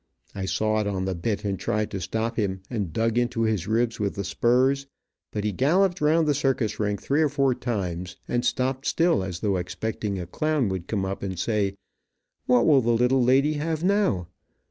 I sawed on the bit and tried to stop him, and dug into his ribs with the spurs, but he galloped around the circus ring three or four times, and stopped still, as though expecting a clown would come up and say, "What will the little lady have now?"